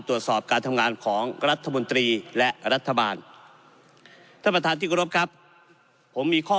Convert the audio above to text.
ตรวจสอบการทำงานของรัฐมนตรีและรัฐบาลท่านประธานที่กรบครับผมมีข้อ